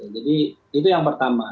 jadi itu yang pertama